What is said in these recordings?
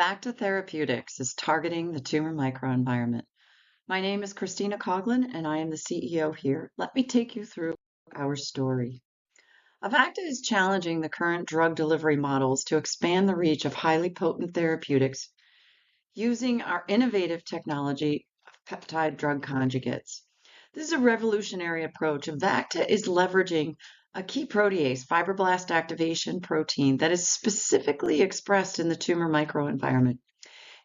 Avacta Therapeutics is targeting the tumor microenvironment. My name is Christina Coughlin, and I am the CEO here. Let me take you through our story. Avacta is challenging the current drug delivery models to expand the reach of highly potent therapeutics using our innovative technology of peptide drug conjugates. This is a revolutionary approach, and Avacta is leveraging a key protease, fibroblast activation protein, that is specifically expressed in the tumor microenvironment.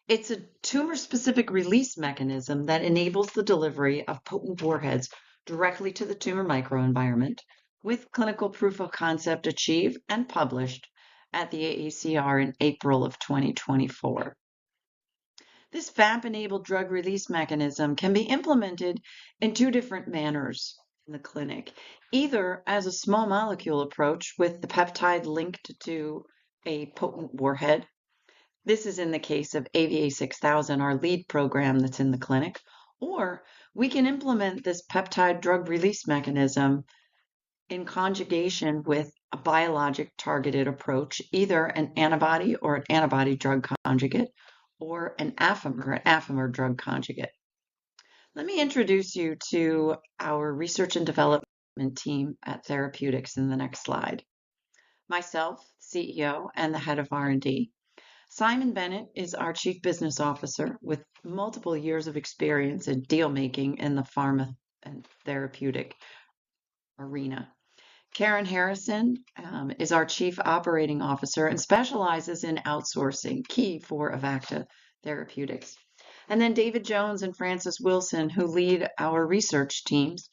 It's a tumor-specific release mechanism that enables the delivery of potent warheads directly to the tumor microenvironment, with clinical proof of concept achieved and published at the AACR in April of 2024. This FAP-enabled drug release mechanism can be implemented in two different manners in the clinic, either as a small molecule approach with the peptide linked to a potent warhead. This is in the case of AVA-6000, our lead program that's in the clinic. Or we can implement this peptide drug release mechanism in conjugation with a biologic-targeted approach, either an antibody or an antibody drug conjugate, or an Affimer or an Affimer drug conjugate. Let me introduce you to our research and development team at Therapeutics in the next slide. Myself, CEO and the head of R&D. Simon Bennett is our Chief Business Officer, with multiple years of experience in deal-making in the pharma and therapeutic arena. Karen Harrison is our Chief Operating Officer and specializes in outsourcing, key for Avacta Therapeutics. And then David Jones and Francis Wilson, who lead our research teams,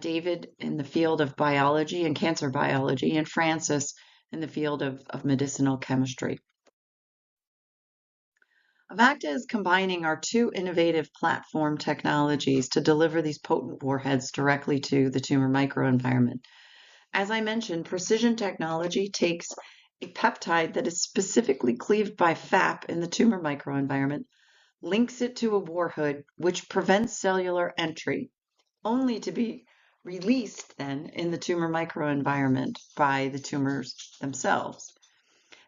David in the field of biology and cancer biology, and Francis in the field of medicinal chemistry. Avacta is combining our two innovative platform technologies to deliver these potent warheads directly to the tumor microenvironment. As I mentioned, pre|CISION technology takes a peptide that is specifically cleaved by FAP in the tumor microenvironment, links it to a warhead, which prevents cellular entry, only to be released then in the tumor microenvironment by the tumors themselves.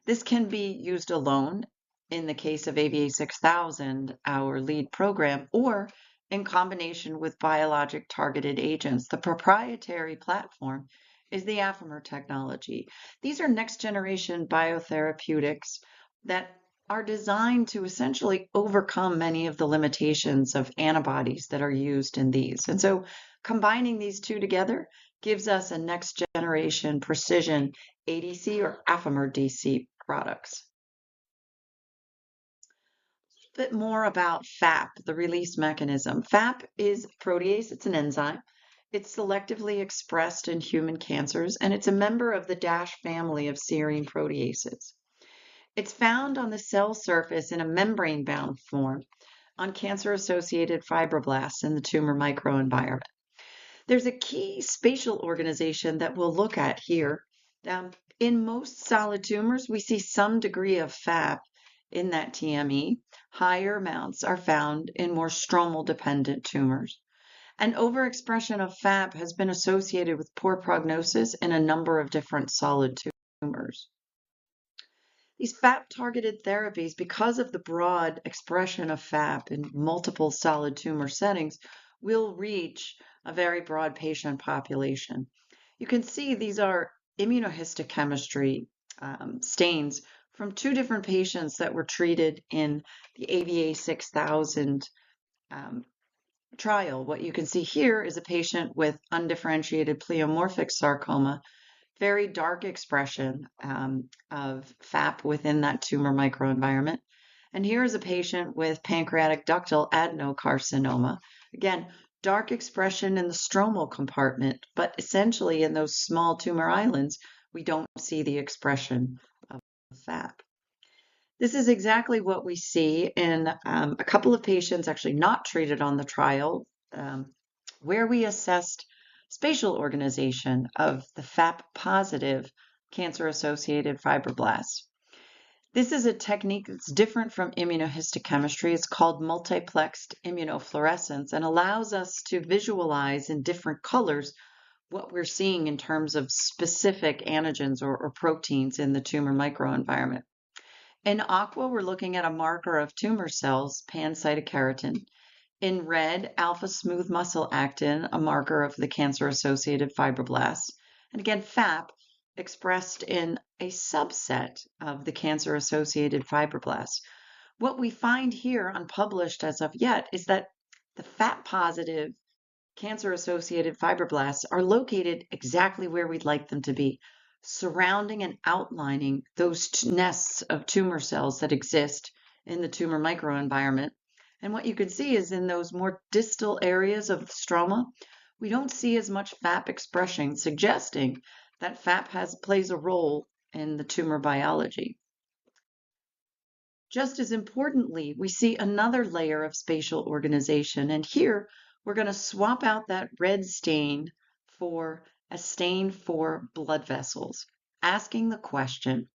This can be used alone, in the case of AVA-6000, our lead program, or in combination with biologic-targeted agents. The proprietary platform is the Affimer technology. These are next-generation biotherapeutics that are designed to essentially overcome many of the limitations of antibodies that are used in these. And so combining these two together gives us a next-generation pre|CISION ADC or Affimer DC products. A bit more about FAP, the release mechanism. FAP is a protease, it's an enzyme. It's selectively expressed in human cancers, and it's a member of the DASH family of serine proteases. It's found on the cell surface in a membrane-bound form on cancer-associated fibroblasts in the tumor microenvironment. There's a key spatial organization that we'll look at here. In most solid tumors, we see some degree of FAP in that TME. Higher amounts are found in more stromal-dependent tumors. An overexpression of FAP has been associated with poor prognosis in a number of different solid tumors. These FAP-targeted therapies, because of the broad expression of FAP in multiple solid tumor settings, will reach a very broad patient population. You can see these are immunohistochemistry stains from two different patients that were treated in the AVA-6000 trial. What you can see here is a patient with undifferentiated pleomorphic sarcoma, very dark expression of FAP within that tumor microenvironment. And here is a patient with pancreatic ductal adenocarcinoma. Again, dark expression in the stromal compartment, but essentially in those small tumor islands, we don't see the expression of FAP. This is exactly what we see in, a couple of patients actually not treated on the trial, where we assessed spatial organization of the FAP-positive cancer-associated fibroblasts. This is a technique that's different from immunohistochemistry. It's called multiplexed immunofluorescence and allows us to visualize in different colors what we're seeing in terms of specific antigens or proteins in the tumor microenvironment. In aqua, we're looking at a marker of tumor cells, pan cytokeratin. In red, alpha smooth muscle actin, a marker of the cancer-associated fibroblasts, and again, FAP expressed in a subset of the cancer-associated fibroblasts. What we find here, unpublished as of yet, is that the FAP-positive cancer-associated fibroblasts are located exactly where we'd like them to be, surrounding and outlining those tumor nests of tumor cells that exist in the tumor microenvironment. And what you can see is in those more distal areas of stroma, we don't see as much FAP expression, suggesting that FAP plays a role in the tumor biology. Just as importantly, we see another layer of spatial organization, and here we're gonna swap out that red stain for a stain for blood vessels, asking the question: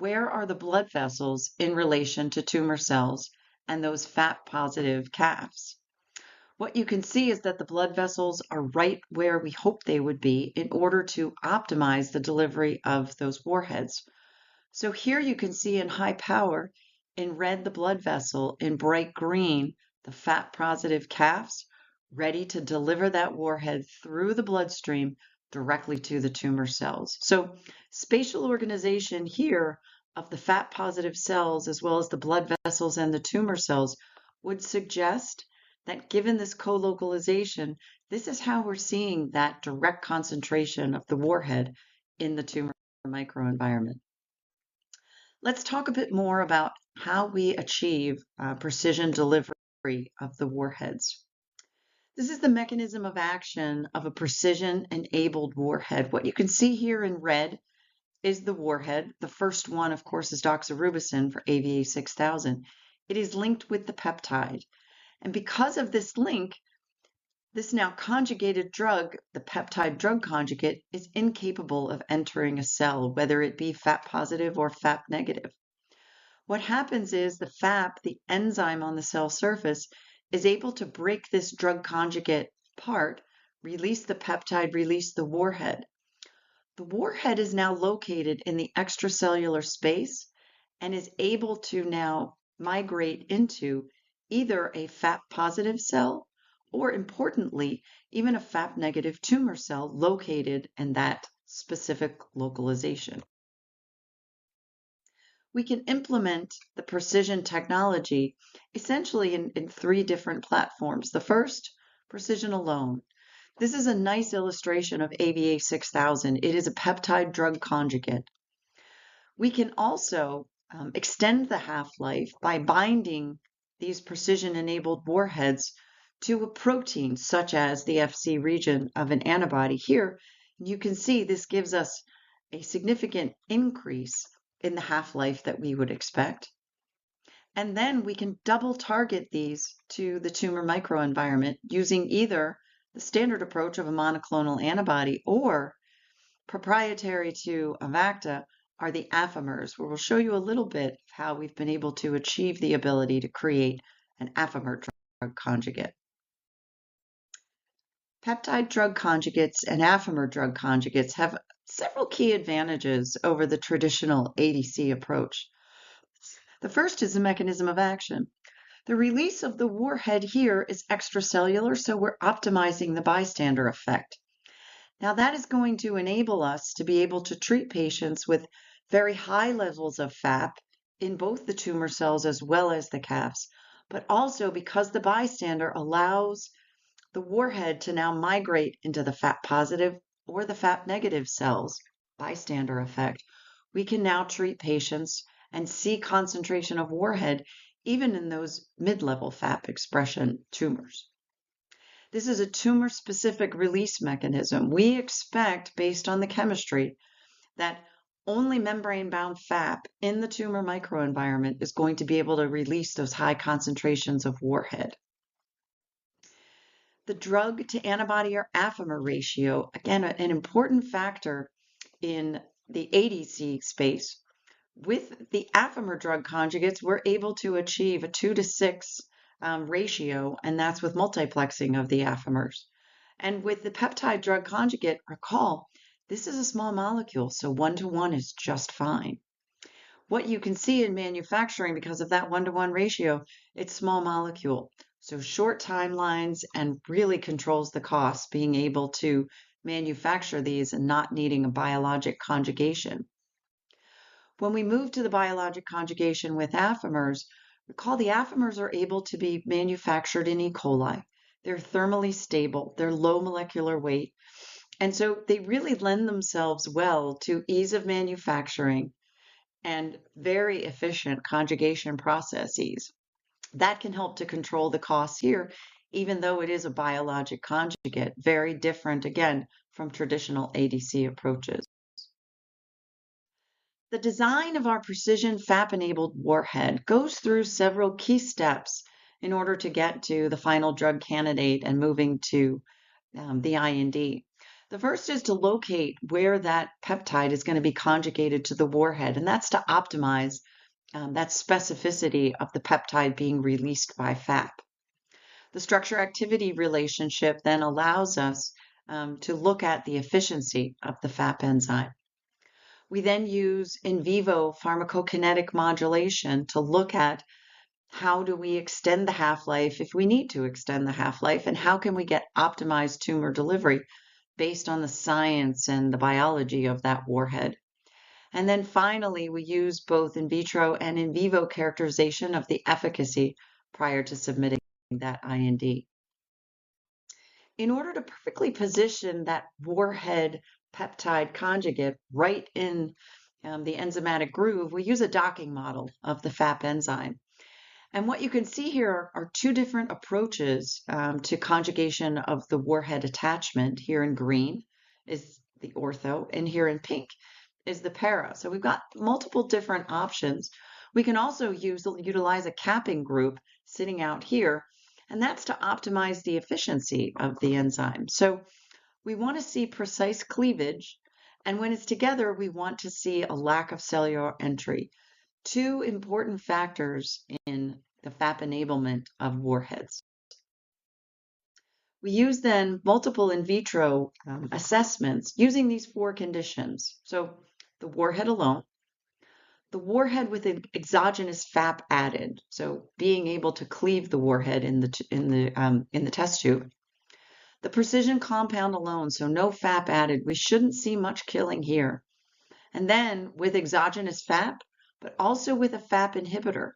Where are the blood vessels in relation to tumor cells and those FAP-positive CAFs? What you can see is that the blood vessels are right where we hoped they would be in order to optimize the delivery of those warheads. So here you can see in high power, in red, the blood vessel, in bright green, the FAP-positive CAFs ready to deliver that warhead through the bloodstream directly to the tumor cells. So spatial organization here of the FAP-positive cells, as well as the blood vessels and the tumor cells, would suggest that given this co-localization, this is how we're seeing that direct concentration of the warhead in the tumor microenvironment. Let's talk a bit more about how we achieve precision delivery of the warheads. This is the mechanism of action of a precision-enabled warhead. What you can see here in red is the warhead. The first one, of course, is doxorubicin for AVA-6000. It is linked with the peptide, and because of this link, this now conjugated drug, the peptide drug conjugate, is incapable of entering a cell, whether it be FAP-positive or FAP-negative. What happens is the FAP, the enzyme on the cell surface, is able to break this drug conjugate apart, release the peptide, release the warhead. The warhead is now located in the extracellular space and is able to now migrate into either a FAP-positive cell or, importantly, even a FAP-negative tumor cell located in that specific localization. We can implement the precision technology essentially in three different platforms. The first, precision alone. This is a nice illustration of AVA-6000. It is a peptide drug conjugate. We can also extend the half-life by binding these precision-enabled warheads to a protein, such as the Fc region of an antibody. Here, you can see this gives us a significant increase in the half-life that we would expect. And then we can double-target these to the tumor microenvironment using either the standard approach of a monoclonal antibody or, proprietary to Avacta, are the Affimers, where we'll show you a little bit of how we've been able to achieve the ability to create an Affimer drug conjugate. Peptide drug conjugates and Affimer drug conjugates have several key advantages over the traditional ADC approach. The first is the mechanism of action. The release of the warhead here is extracellular, so we're optimizing the bystander effect. Now, that is going to enable us to be able to treat patients with very high levels of FAP in both the tumor cells as well as the CAFs, but also because the bystander allows the warhead to now migrate into the FAP-positive or the FAP-negative cells, bystander effect, we can now treat patients and see concentration of warhead even in those mid-level FAP expression tumors. This is a tumor-specific release mechanism. We expect, based on the chemistry, that only membrane-bound FAP in the tumor microenvironment is going to be able to release those high concentrations of warhead. The drug-to-antibody or Affimer ratio, again, an important factor in the ADC space. With the Affimer drug conjugates, we're able to achieve a 2:6 ratio, and that's with multiplexing of the Affimers. And with the peptide drug conjugate, recall, this is a small molecule, so 1:1 is just fine. What you can see in manufacturing, because of that 1:1 ratio, it's small molecule, so short timelines and really controls the cost, being able to manufacture these and not needing a biologic conjugation. When we move to the biologic conjugation with Affimers, recall the Affimers are able to be manufactured in E. coli. They're thermally stable, they're low molecular weight, and so they really lend themselves well to ease of manufacturing and very efficient conjugation processes. That can help to control the cost here, even though it is a biologic conjugate, very different, again, from traditional ADC approaches. The design of our precision FAP-enabled warhead goes through several key steps in order to get to the final drug candidate and moving to the IND. The first is to locate where that peptide is gonna be conjugated to the warhead, and that's to optimize that specificity of the peptide being released by FAP. The structure-activity relationship then allows us to look at the efficiency of the FAP enzyme. We then use in vivo pharmacokinetic modulation to look at how do we extend the half-life, if we need to extend the half-life, and how can we get optimized tumor delivery based on the science and the biology of that warhead? And then finally, we use both in vitro and in vivo characterization of the efficacy prior to submitting that IND. In order to perfectly position that warhead peptide conjugate right in the enzymatic groove, we use a docking model of the FAP enzyme. And what you can see here are two different approaches to conjugation of the warhead attachment. Here in green is the ortho, and here in pink is the para. So we've got multiple different options. We can also utilize a capping group sitting out here, and that's to optimize the efficiency of the enzyme. We wanna see precise cleavage, and when it's together, we want to see a lack of cellular entry. Two important factors in the FAP enablement of warheads. We use then multiple in vitro assessments using these four conditions: so the warhead alone, the warhead with an exogenous FAP added, so being able to cleave the warhead in the test tube. The precision compound alone, so no FAP added, we shouldn't see much killing here, and then with exogenous FAP, but also with a FAP inhibitor.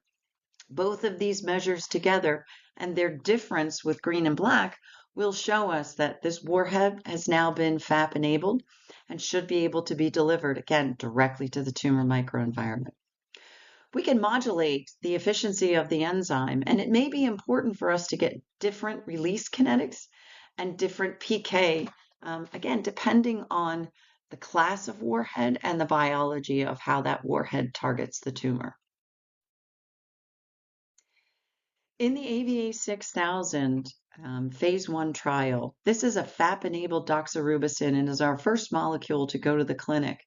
Both of these measures together and their difference with green and black will show us that this warhead has now been FAP-enabled and should be able to be delivered again directly to the tumor microenvironment. We can modulate the efficiency of the enzyme, and it may be important for us to get different release kinetics and different PK, again, depending on the class of warhead and the biology of how that warhead targets the tumor. In the AVA-6000 phase I trial, this is a FAP-enabled doxorubicin and is our first molecule to go to the clinic.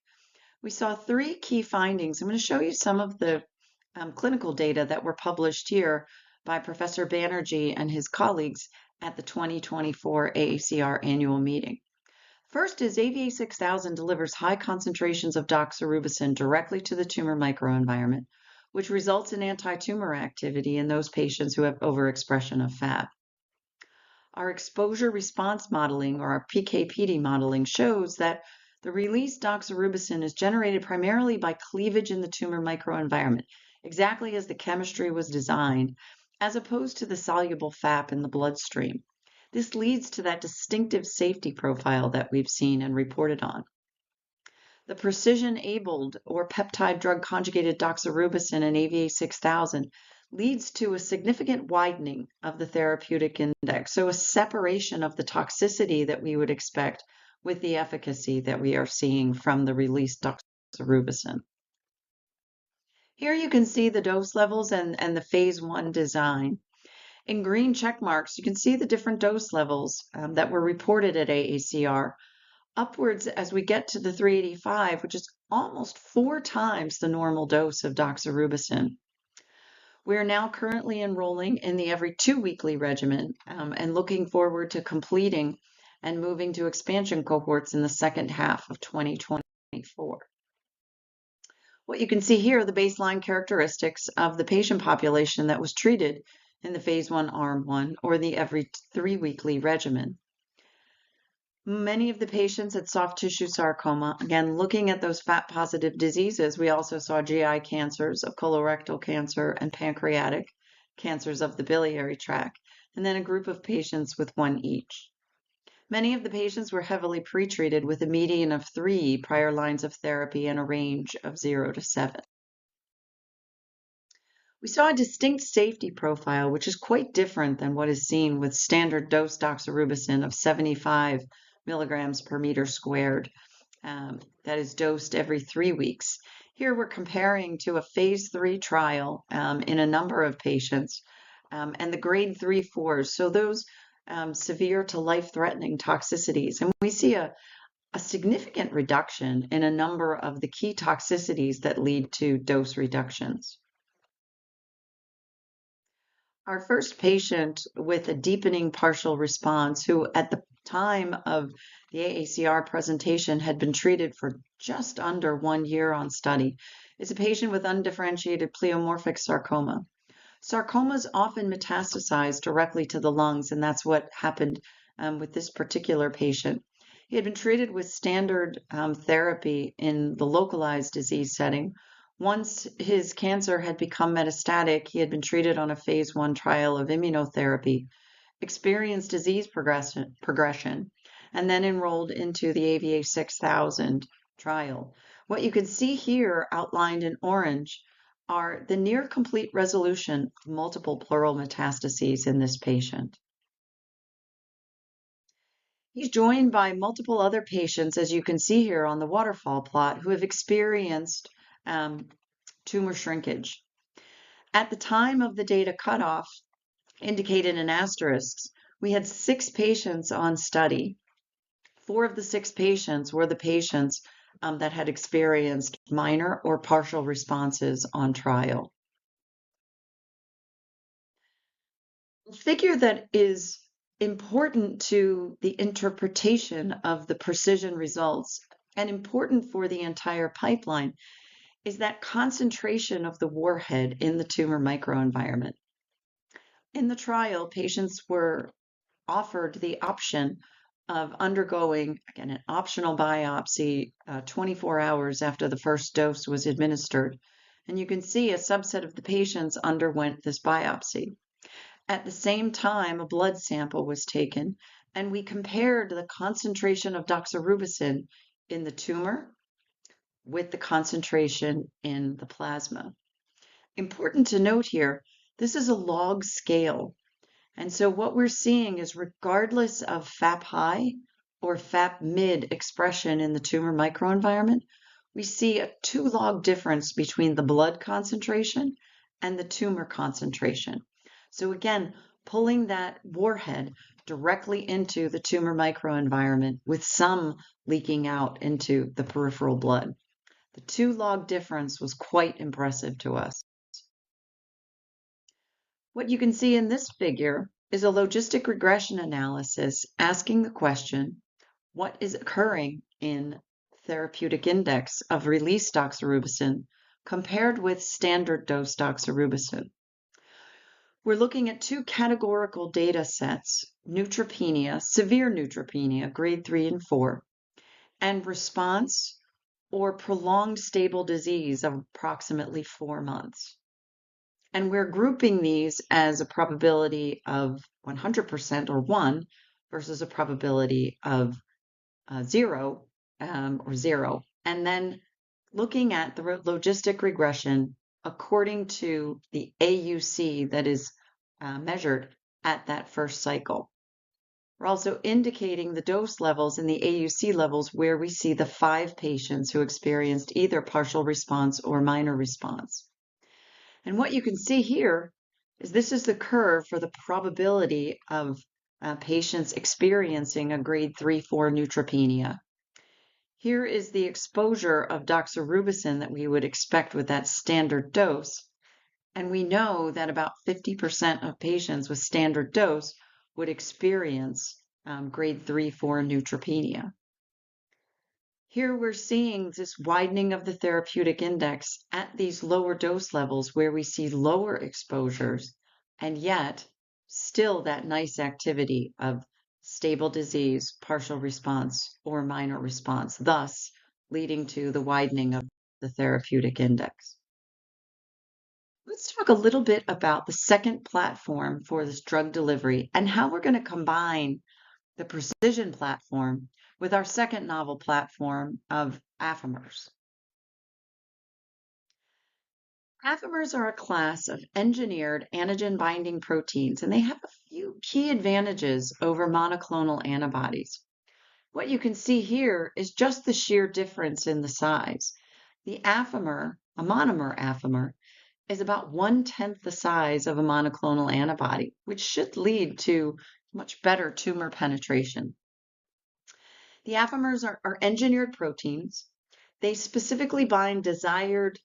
We saw three key findings. I'm gonna show you some of the clinical data that were published here by Professor Banerji and his colleagues at the 2024 AACR Annual Meeting. First is AVA-6000 delivers high concentrations of doxorubicin directly to the tumor microenvironment, which results in anti-tumor activity in those patients who have overexpression of FAP. Our exposure response modeling or our PK/PD modeling shows that the released doxorubicin is generated primarily by cleavage in the tumor microenvironment, exactly as the chemistry was designed, as opposed to the soluble FAP in the bloodstream. This leads to that distinctive safety profile that we've seen and reported on. The pre|CISION-enabled peptide drug conjugate doxorubicin in AVA-6000 leads to a significant widening of the therapeutic index, so a separation of the toxicity that we would expect with the efficacy that we are seeing from the released doxorubicin. Here you can see the dose levels and the phase I design. In green check marks, you can see the different dose levels that were reported at AACR. Upwards as we get to the 385, which is almost four times the normal dose of doxorubicin. We are now currently enrolling in the every two weekly regimen, and looking forward to completing and moving to expansion cohorts in the second half of 2024. What you can see here are the baseline characteristics of the patient population that was treated in the phase I, Arm 1 or the every three weekly regimen. Many of the patients had soft tissue sarcoma. Again, looking at those FAP-positive diseases, we also saw GI cancers of colorectal cancer and pancreatic cancers of the biliary tract, and then a group of patients with one each. Many of the patients were heavily pretreated with a median of three prior lines of therapy in a range of zero to seven. We saw a distinct safety profile, which is quite different than what is seen with standard dose doxorubicin of 75 mg per meter squared, that is dosed every three weeks. Here we're comparing to a phase III trial, in a number of patients, and the Grade three, fours, so those, severe to life-threatening toxicities. And we see a significant reduction in a number of the key toxicities that lead to dose reductions. Our first patient with a deepening partial response, who, at the time of the AACR presentation, had been treated for just under one year on study, is a patient with undifferentiated pleomorphic sarcoma. Sarcomas often metastasize directly to the lungs, and that's what happened, with this particular patient. He had been treated with standard therapy in the localized disease setting. Once his cancer had become metastatic, he had been treated on a phase I trial of immunotherapy, experienced disease progression, and then enrolled into the AVA-6000 trial. What you can see here outlined in orange are the near complete resolution of multiple pleural metastases in this patient. He's joined by multiple other patients, as you can see here on the waterfall plot, who have experienced tumor shrinkage. At the time of the data cutoff, indicated in asterisks, we had six patients on study. Four of the six patients were the patients that had experienced minor or partial responses on trial. The figure that is important to the interpretation of the precision results and important for the entire pipeline is that concentration of the warhead in the tumor microenvironment. In the trial, patients were offered the option of undergoing, again, an optional biopsy, 24 hours after the first dose was administered, and you can see a subset of the patients underwent this biopsy. At the same time, a blood sample was taken, and we compared the concentration of doxorubicin in the tumor with the concentration in the plasma. Important to note here, this is a log scale, and so what we're seeing is, regardless of FAP high or FAP mid expression in the tumor microenvironment, we see a two-log difference between the blood concentration and the tumor concentration. So again, pulling that warhead directly into the tumor microenvironment, with some leaking out into the peripheral blood.... A two-log difference was quite impressive to us. What you can see in this figure is a logistic regression analysis asking the question: what is occurring in therapeutic index of release doxorubicin compared with standard-dose doxorubicin? We're looking at two categorical data sets, neutropenia, severe neutropenia, grade three and four, and response or prolonged stable disease of approximately four months. And we're grouping these as a probability of 100%, or one, versus a probability of zero, or zero. And then looking at the logistic regression according to the AUC that is measured at that first cycle. We're also indicating the dose levels in the AUC levels, where we see the five patients who experienced either partial response or minor response. And what you can see here is this is the curve for the probability of patients experiencing a grade three, four, neutropenia. Here is the exposure of doxorubicin that we would expect with that standard dose, and we know that about 50% of patients with standard dose would experience grade three, four neutropenia. Here we're seeing this widening of the therapeutic index at these lower dose levels, where we see lower exposures, and yet still that nice activity of stable disease, partial response, or minor response, thus leading to the widening of the therapeutic index. Let's talk a little bit about the second platform for this drug delivery and how we're gonna combine the precision platform with our second novel platform of Affimers. Affimers are a class of engineered antigen-binding proteins, and they have a few key advantages over monoclonal antibodies. What you can see here is just the sheer difference in the size. The Affimer, a monomer Affimer, is about 1/10 the size of a monoclonal antibody, which should lead to much better tumor penetration. The Affimers are engineered proteins. They specifically bind desired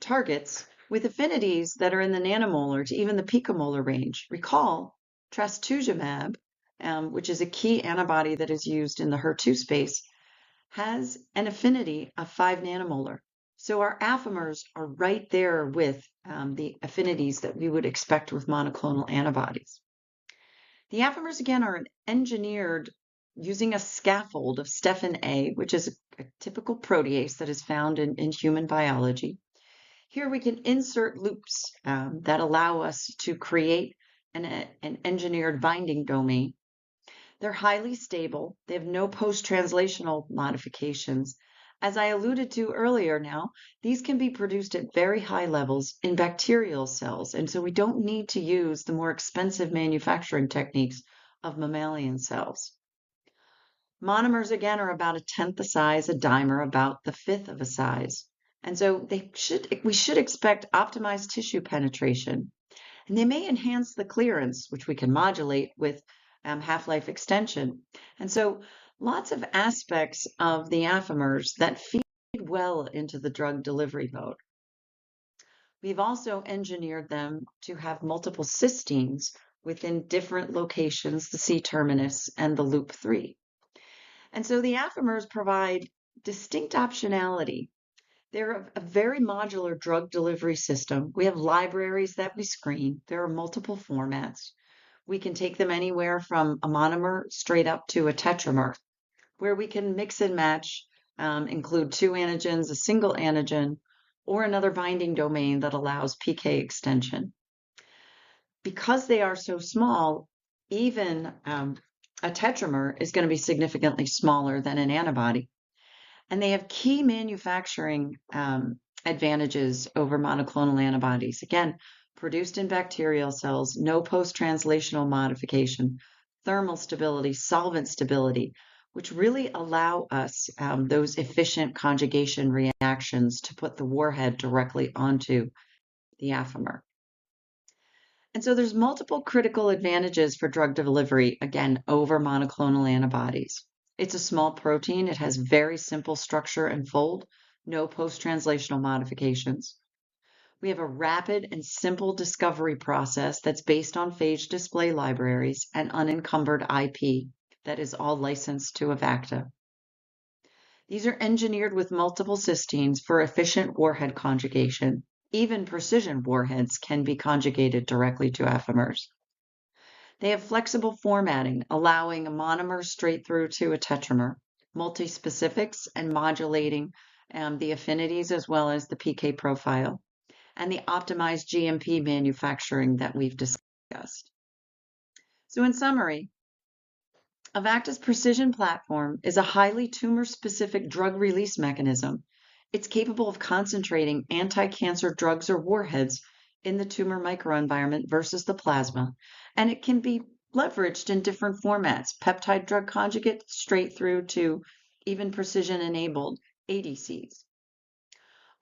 targets with affinities that are in the nanomolar to even the picomolar range. Recall, trastuzumab, which is a key antibody that is used in the HER2 space, has an affinity of five nanomolar. So our Affimers are right there with the affinities that we would expect with monoclonal antibodies. The Affimers, again, are engineered using a scaffold of Stefin A, which is a typical protease that is found in human biology. Here we can insert loops that allow us to create an engineered binding domain. They're highly stable. They have no post-translational modifications. As I alluded to earlier now, these can be produced at very high levels in bacterial cells, and so we don't need to use the more expensive manufacturing techniques of mammalian cells. Monomers, again, are about a tenth the size, a dimer, about the fifth of a size, and so they should—we should expect optimized tissue penetration. They may enhance the clearance, which we can modulate with half-life extension. So lots of aspects of the Affimers that feed well into the drug delivery mode. We've also engineered them to have multiple cysteines within different locations, the C-terminus and the loop three. The Affimers provide distinct optionality. They're a very modular drug delivery system. We have libraries that we screen. There are multiple formats. We can take them anywhere from a monomer straight up to a tetramer, where we can mix and match, include two antigens, a single antigen, or another binding domain that allows PK extension. Because they are so small, even a tetramer is gonna be significantly smaller than an antibody, and they have key manufacturing advantages over monoclonal antibodies. Again, produced in bacterial cells, no post-translational modification, thermal stability, solvent stability, which really allow us those efficient conjugation reactions to put the warhead directly onto the Affimer. And so there's multiple critical advantages for drug delivery, again, over monoclonal antibodies. It's a small protein. It has very simple structure and fold, no post-translational modifications. We have a rapid and simple discovery process that's based on phage display libraries and unencumbered IP that is all licensed to Avacta. These are engineered with multiple cysteines for efficient warhead conjugation. Even precision warheads can be conjugated directly to Affimers. They have flexible formatting, allowing a monomer straight through to a tetramer, multispecifics, and modulating the affinities as well as the PK profile, and the optimized GMP manufacturing that we've discussed. So in summary, Avacta's precision platform is a highly tumor-specific drug release mechanism. It's capable of concentrating anticancer drugs or warheads in the tumor microenvironment versus the plasma, and it can be leveraged in different formats, peptide drug conjugates straight through to even precision-enabled ADCs.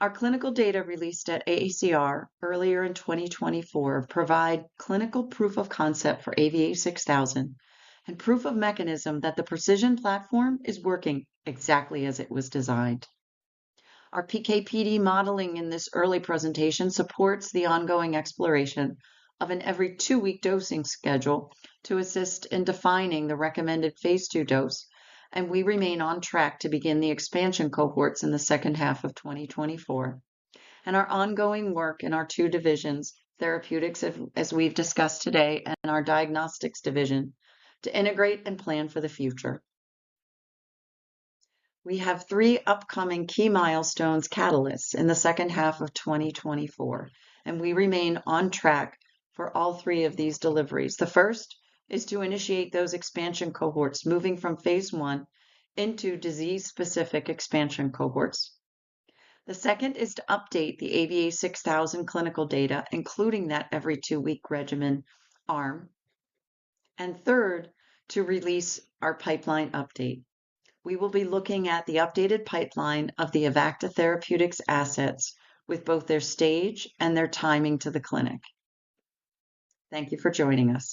Our clinical data released at AACR earlier in 2024 provide clinical proof of concept for AVA-6000 and proof of mechanism that the precision platform is working exactly as it was designed. Our PK/PD modeling in this early presentation supports the ongoing exploration of an every-2-week dosing schedule to assist in defining the recommended phase II dose, and we remain on track to begin the expansion cohorts in the second half of 2024. Our ongoing work in our two divisions, therapeutics, as we've discussed today, and our diagnostics division, to integrate and plan for the future. We have three upcoming key milestones catalysts in the second half of 2024, and we remain on track for all three of these deliveries. The first is to initiate those expansion cohorts, moving from phase I into disease-specific expansion cohorts. The second is to update the AVA-6000 clinical data, including that every-two-week regimen arm. Third, to release our pipeline update. We will be looking at the updated pipeline of the Avacta Therapeutics assets with both their stage and their timing to the clinic. Thank you for joining us.